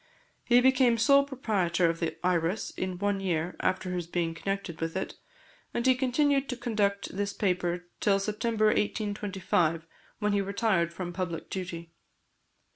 He became sole proprietor of the Iris in one year after his being connected with it, and he continued to conduct this paper till September 1825, when he retired from public duty.